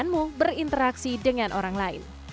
jangan lupa untuk berinteraksi dengan orang lain